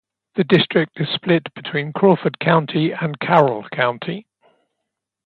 The district is split between Crawford County and Carroll County.